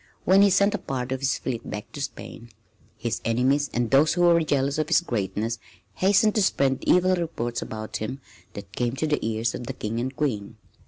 When he sent a part of his fleet back to Spain his enemies and those who were jealous of his greatness hastened to spread evil reports about him that came to the ears of the King and Queen.